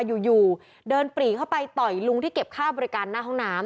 อยู่เดินปรีเข้าไปต่อยลุงที่เก็บค่าบริการหน้าห้องน้ำ